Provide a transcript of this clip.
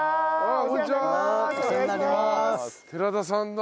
寺田さんだ。